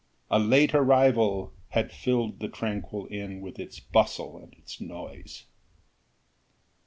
A late arrival had filled the tranquil inn with its bustle and its noise.